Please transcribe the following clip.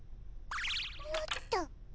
よっと。